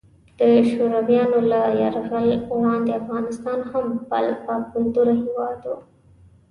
د شورویانو له یرغل وړاندې افغانستان هم باکلتوره هیواد وو.